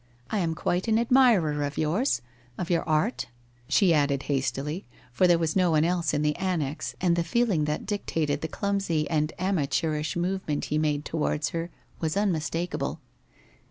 I am quite an admirer of yours — of your art. ...' she added hastily, for there was no one else in the annexe and the feeling that dictated the clumsy and amateurish movement lie made towards her was unmistakable.